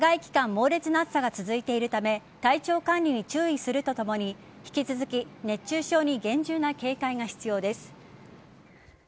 猛烈な暑さが続いているため体調管理に注意するとともに引き続き熱中症に厳重な警戒が必要です。